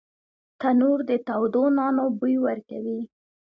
تنور د تودو نانو بوی ورکوي